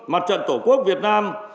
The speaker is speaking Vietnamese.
mặt trận tổ quốc việt nam